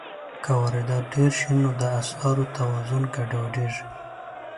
که واردات ډېر شي، نو د اسعارو توازن ګډوډېږي.